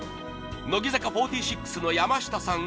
乃木坂４６の山下さん